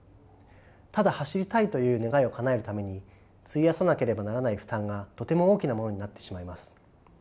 ただ走りたいという願いをかなえるために費やさなければならない負担がとても大きなものになってしまいます。